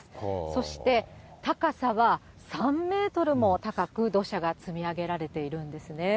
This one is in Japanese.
そして高さは３メートルも高く土砂が積み上げられているんですね。